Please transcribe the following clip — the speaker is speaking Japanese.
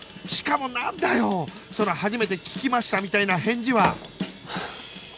しかもなんだよその初めて聞きましたみたいな返事は